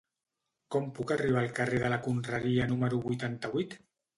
Com puc arribar al carrer de la Conreria número vuitanta-vuit?